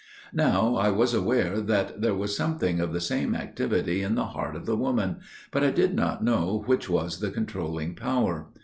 "Now I was aware that there was something of the same activity in the heart of the woman, but I did not know which was the controlling power.